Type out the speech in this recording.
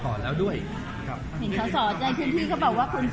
ก่อนแล้วด้วยครับเห็นเขาสอบใจพี่พี่ก็บอกว่าคุณสีรัฐ